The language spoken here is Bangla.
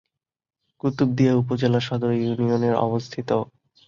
কুতুবদিয়া উপজেলা সদর এ ইউনিয়নে অবস্থিত।